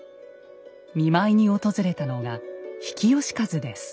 見舞いに訪れたのが比企能員です。